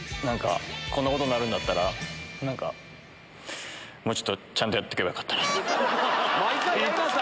こんなことになるんだったらもうちょっとちゃんとやっとけばよかったなと。